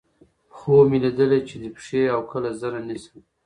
خوب مې ليدلے چې دې پښې اؤ کله زنه نيسم